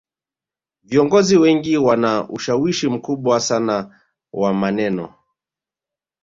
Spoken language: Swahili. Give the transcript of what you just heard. viongozi wengi wana ushawishi mkubwa sana wa maneno